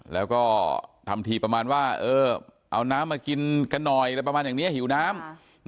แล้วก็ทำทีประมาณว่าเอาน้ำมากินกันหน่อยอะไรประมาณอย่างนี้หิวน้ำ